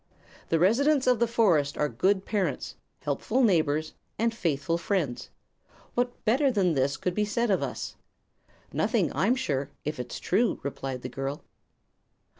The residents of the forest are good parents, helpful neighbors, and faithful friends. What better than this could be said of us?" "Nothing, I'm sure, if it is true," replied the girl.